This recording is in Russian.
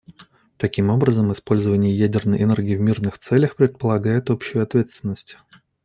Таким образом, использование ядерной энергии в мирных целях предполагает общую ответственность.